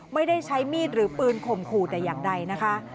ไม่ได้ใช้มีดหรือปืนข่มขู่แต่อย่างใดนะคะ